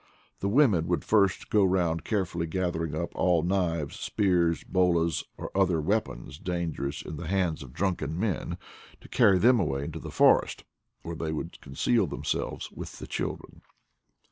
The women would first go round carefully gathering up all knives, spears, bolas, or other weapons dangerous in the hands of drunken men, to carry them away into LIFE IN PATAGONIA 105 the forest, where they would conceal themselves with the children.